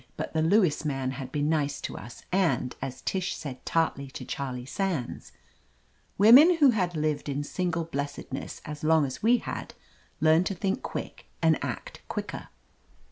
But the Lewis man had been nice to us, and, as Tish said tartly to Charlie Sands, women who had lived in single blessedness as long as we had, learned to think quick and act quicker.